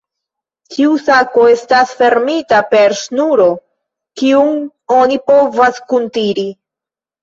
Ĉiu sako estas fermita per ŝnuro, kiun oni povas kuntiri.